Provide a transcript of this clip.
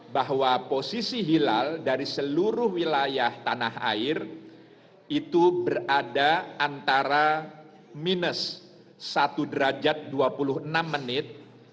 bahwa posisi hilal dari seluruh wilayah tanah air itu berada antara minus satu derajat dua puluh enam menit